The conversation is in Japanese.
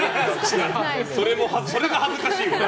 それが恥ずかしいわ！